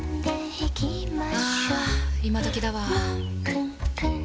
あ今どきだわ。